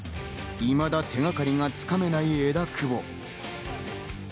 いまだ手がかりが掴めない枝久保。